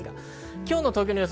今日の東京の予想